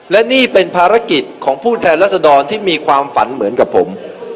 และนี่เป็นภารกิจของผู้แทนรัศดรที่มีความฝันเหมือนกับผม